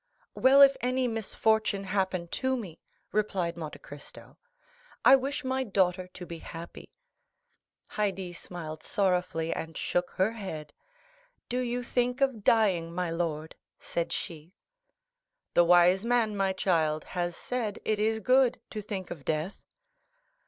"Well, if any misfortune happen to me," replied Monte Cristo, "I wish my daughter to be happy." Haydée smiled sorrowfully, and shook her head. "Do you think of dying, my lord?" said she. "The wise man, my child, has said, 'It is good to think of death.